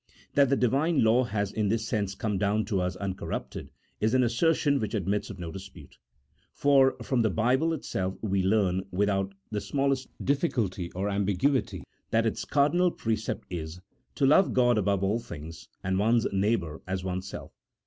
That the Divine law has in this sense come down to us uncorrupted, is an assertion which admits of no dispute. For from the Bible itself we learn, without the smallest difficulty or ambiguity, that its cardinal precept is : To love God above all things, and one's neighbour as one's self.